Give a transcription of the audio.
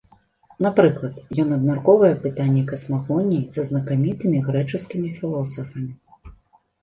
Напрыклад, ён абмяркоўвае пытанні касмагоніі са знакамітымі грэчаскімі філосафамі.